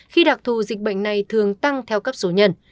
khi đặc thù dịch bệnh này thường tăng theo cấp số nhân